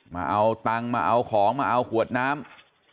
มาเอาเงินของมาเอาขวดน้ำ